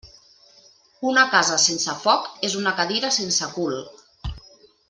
Una casa sense foc és una cadira sense cul.